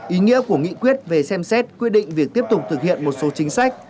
ý nghĩa của nghị quyết về xem xét quyết định việc tiếp tục thực hiện một số chính sách